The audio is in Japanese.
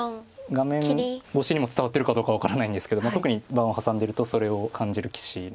画面越しにも伝わってるどうかは分からないんですけど特に盤を挟んでるとそれを感じる棋士の一人です。